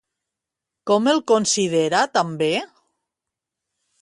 Com el considera també?